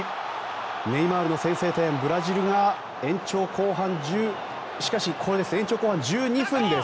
ネイマールの先制点ブラジルがしかし、延長後半１２分です。